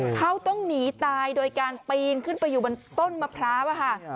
เขาต้องหนีตายโดยการปีนขึ้นไปอยู่บนต้นมะพร้าวค่ะ